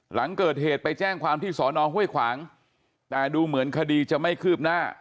หลังเกิดเหตุไปแจ้งความที่สอนอห้วยขวางแต่ดูเหมือนคดีจะไม่คืบหน้า